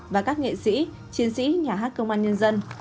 và các nghệ sĩ chiến sĩ nhà hát công an nhân dân